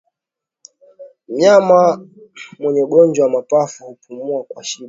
Mnyama mwenye ugonjwa wa mapafu hupumua kwa shida